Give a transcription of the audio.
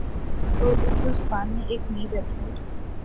اور اردو زبان میں ایک نئی ویب سائٹ